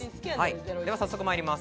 では早速参ります。